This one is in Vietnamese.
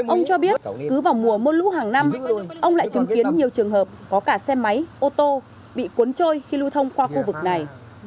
ông cho biết cứ vào mùa mưa lũ hàng năm ông lại chứng kiến nhiều trường hợp có cả xe máy ô tô bị cuốn trôi khi lưu thông qua khu vực này